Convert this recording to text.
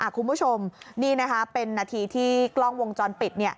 คุณผู้ชมนี่นะคะเป็นนาทีที่กล้องวงจรปิด